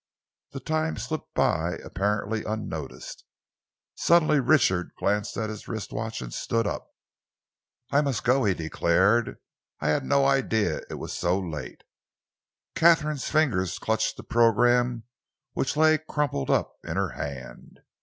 The time slipped by apparently unnoticed. Suddenly Richard glanced at his wrist watch and stood up. "I must go," he declared. "I had no idea that it was so late." Katharine's fingers clutched the program which lay crumpled up in her hand.